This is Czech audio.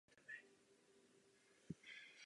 Hovořila jste o koordinaci se Spojenými státy.